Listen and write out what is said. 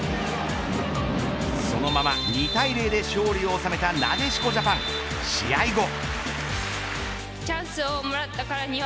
そのまま２対０で勝利を収めたなでしこジャパン試合後。